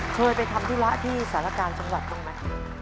เคยไปทำธุระที่สารกลางจังหวัดบ้างไหม